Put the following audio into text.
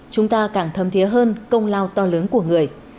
chúng ta càng thấm thiế hơn công lao to lớn của người